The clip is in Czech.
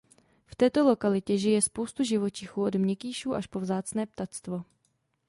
V této lokalitě žije spoustu živočichů od měkkýšů až po vzácné ptactvo.